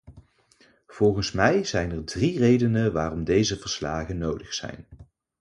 Volgens mij zijn er drie redenen waarom deze verslagen nodig zijn.